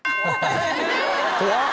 怖っ！